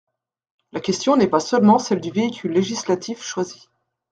La question n’est pas seulement celle du véhicule législatif choisi.